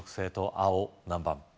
青何番？